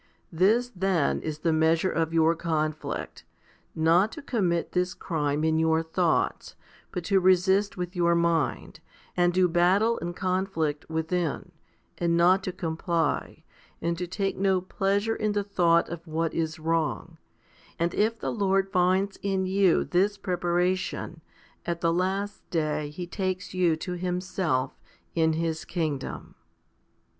This then is 120 FIFTY SPIRITUAL HOMILIES the measure of your conflict, not to commit this crime in your thoughts, but to resist with your mind, and do battle and conflict within, and not to comply, and to take no pleasure in the thought of what is wrong ; and if the Lord finds in you this preparation, at the last day He takes you to Himself in His kingdom.